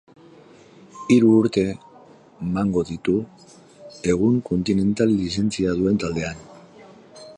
Hiru urte mango ditu, egun, kontinental lizentzia duen taldean.